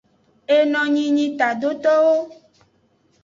Enonyi nyi tadotowo.